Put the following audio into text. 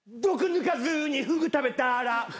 「毒抜かずにフグ食べたら」